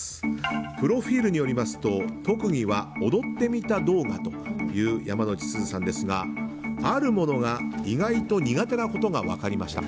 プロフィールによりますと特技は踊ってみた動画という山之内すずさんですがあるものが意外と苦手なことが分かりました。